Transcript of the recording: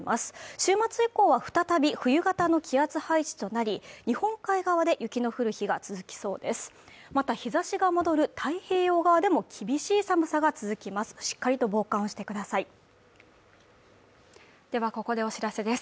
週末以降は再び冬型の気圧配置となり日本海側で雪の降る日が続きそうです